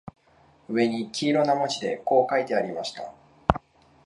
上に黄色な字でこう書いてありました